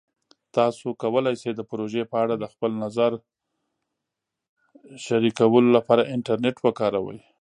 تاسو کولی شئ د پروژې په اړه د خپل نظر شریکولو لپاره انټرنیټ وکاروئ.